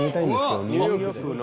ニューヨークの。